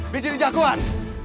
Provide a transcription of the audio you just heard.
bikin dia jagoan